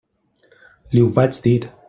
Li ho vaig dir.